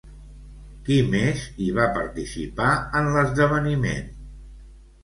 Qui més hi va participar en l'esdeveniment?